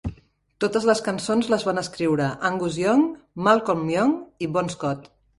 Totes les cançons les van escriure Angus Young, Malcolm Young i Bon Scott.